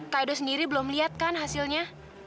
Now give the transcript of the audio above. kak edo sendiri belum lihat kan hasilnya